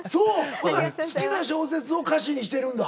ほんなら好きな小説を歌詞にしてるんだ。